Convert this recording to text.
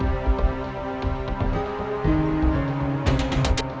ya ada tiga orang